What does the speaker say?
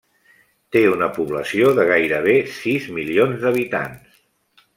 Té una població de gairebé sis milions d'habitants.